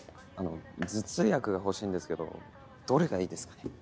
頭痛薬が欲しいんですけどどれがいいですかね。